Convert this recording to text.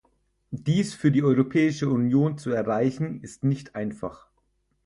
Dies für die Europäische Union zu erreichen, ist nicht einfach.